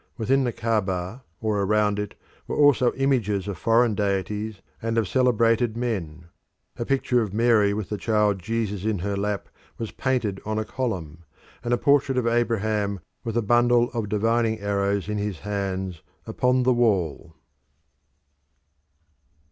Within the Caaba or around it were also images of foreign deities and of celebrated men; a picture of Mary with the child Jesus in her lap was painted on a column, and a portrait of Abraham with a bundle of divining arrows in his hands upon the wall.